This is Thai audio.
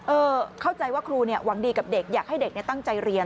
เข้าใจว่าครูหวังดีกับเด็กอยากให้เด็กตั้งใจเรียน